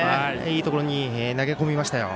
いいところに投げ込みましたよ。